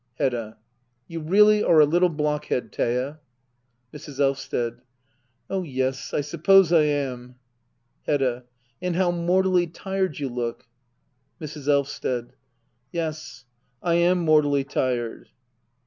Hedda. You really are a little blockhead, Thea. Mrs. Blvsted. Oh yes^ I suppose I am. Hedda. And how mortally tired you look. Mrs. Blvsted. Yes, I am mortally tired.